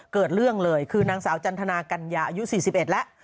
เกิดเรื่องเลยคือนางสาวจันทนากัญญาอายุ๔๑แล้ว